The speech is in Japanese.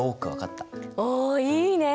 おいいね！